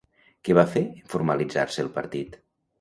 Què va fer en formalitzar-se el partit?